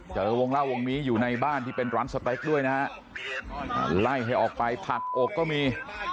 เจอวงเล่าวงนี้อยู่ในบ้านที่เป็นร้านสเต็กด้วยนะฮะไล่ให้ออกไปผักอกก็มี